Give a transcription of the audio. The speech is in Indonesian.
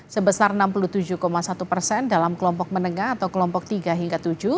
sebesar enam puluh tujuh satu persen dalam kelompok menengah atau kelompok tiga hingga tujuh